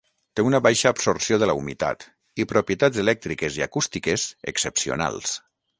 Té una baixa absorció de la humitat, i propietats elèctriques i acústiques excepcionals.